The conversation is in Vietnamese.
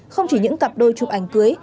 không chỉ những cặp đôi chụp ảnh cưới